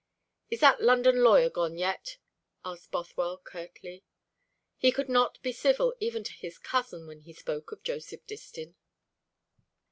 "Is that London lawyer gone yet?" asked Bothwell curtly. He could not be civil even to his cousin when he spoke of Joseph Distin.